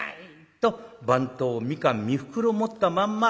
と番頭蜜柑三袋持ったまんま